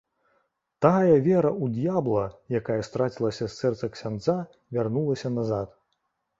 Тая вера ў д'ябла, якая страцілася з сэрца ксяндза, вярнулася назад.